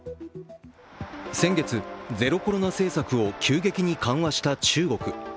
先月、ゼロコロナ政策を急激に緩和した中国。